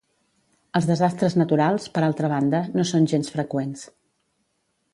Els desastres naturals, per altra banda, no són gens freqüents.